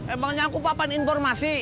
emangnya aku papan informasi